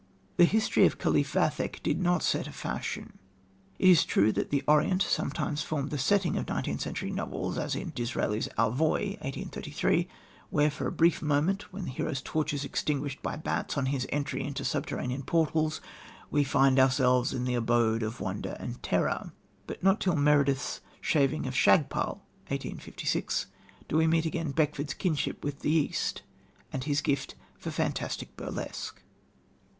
The History of the Caliph Vathek did not set a fashion. It is true that the Orient sometimes formed the setting of nineteenth century novels, as in Disraeli's Alvoy (1833), where for a brief moment, when the hero's torch is extinguished by bats on his entry into subterranean portals, we find ourselves in the abode of wonder and terror; but not till Meredith's Shaving of Shagpal (1856) do we meet again Beckford's kinship with the East, and his gift for fantastic burlesque.